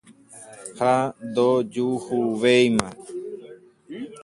Ha ndojuhuvéima.